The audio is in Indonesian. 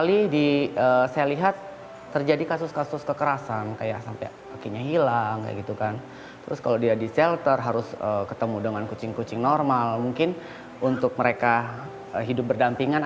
itu tempat sendiri